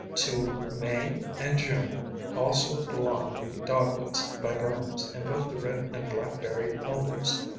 To May and June also belong the Dog woods, Viburnums, and both the Red and Black berried Elders.